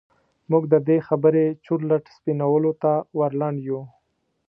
موږ د دې خبرې چورلټ سپينولو ته ور لنډ يوو.